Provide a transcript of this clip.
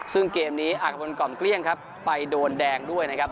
ซึ่งเกมนี้อากระพลกล่อมเกลี้ยงครับไปโดนแดงด้วยนะครับ